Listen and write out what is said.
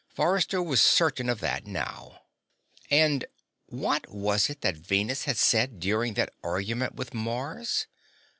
Forrester was certain of that now. And what was it that Venus had said during that argument with Mars?